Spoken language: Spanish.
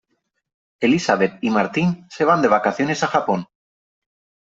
Elisabet y Martín se van de vacaciones a Japón.